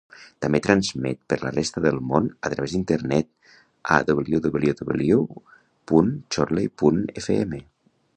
També transmet per la resta del món a través d'Internet a www punt chorley punt fm.